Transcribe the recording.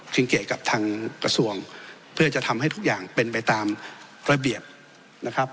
เกตกับทางกระทรวงเพื่อจะทำให้ทุกอย่างเป็นไปตามระเบียบนะครับ